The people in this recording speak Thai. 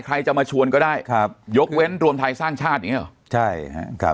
ใครจะมาชวนก็ได้ครับยกเว้นรวมไทยสร้างชาติอย่างเงี้หรอใช่ครับ